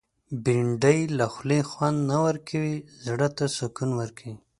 بېنډۍ له خولې خوند نه ورکوي، زړه ته سکون ورکوي